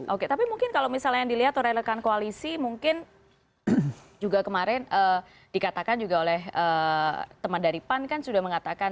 oke tapi mungkin kalau misalnya yang dilihat oleh rekan koalisi mungkin juga kemarin dikatakan juga oleh teman dari pan kan sudah mengatakan